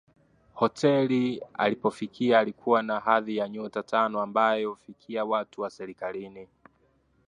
Hoteli aliofikia ilikua na hadhi ya nyota tano ambayo hufikia watu wa serikalini